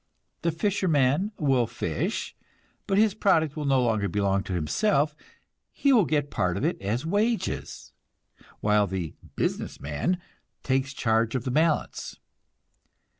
The fisherman will fish, but his product will no longer belong to himself; he will get part of it as wages, while the "business man" takes charge of the balance.